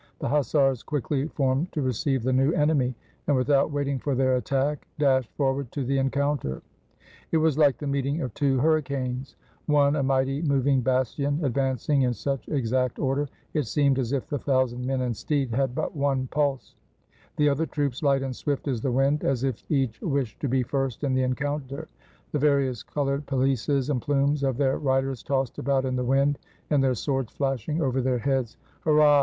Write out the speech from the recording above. The hussars quickly formed to receive the new enemy, and, without waiting for their attack, dashed forward to the encounter. It was like the meeting of two hurricanes: one a mighty, moving bastion advancing in such exact order, it seemed as if the thousand men and steed had but one pulse; the other troops, light and swift as the wind, as if each wished to be first in the encounter ; the various col ored pelisses and plumes of their riders tossed about in the wind, and their swords flashing over their heads. "Hurrah!